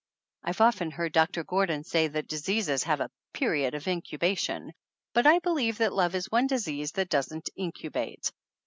I've often heard Doctor Gor don say that diseases have a "period of incuba tion," but I believe that love is one disease that doesn't incubate.